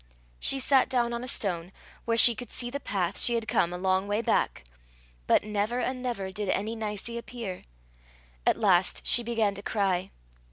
She sat down on a stone, where she could see the path she had come a long way back. But "never and never" did any Nicie appear. At last she began to cry.